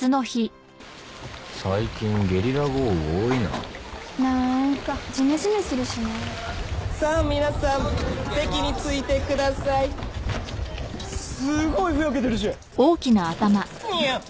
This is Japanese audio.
最近ゲリラ豪雨多いななーんかジメジメするしねさあ皆さん席に着いてくださいすーごいふやけてるしにゅやッ！